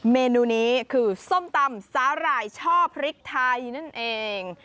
เมนูนี้คือส้มตำสาหร่ายช่อพริกไทยนั่นเอง